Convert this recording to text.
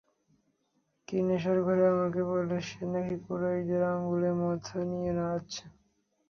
সে নেশার ঘোরে আমাকে বলে, সে নাকি কুরাইশদেরকে আঙ্গুলের মাথায় নিয়ে নাচাচ্ছে।